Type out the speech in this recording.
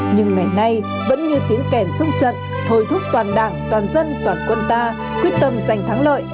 nhưng ngày nay vẫn như tiếng kèn sung trận thôi thúc toàn đảng toàn dân toàn quân ta quyết tâm giành thắng lợi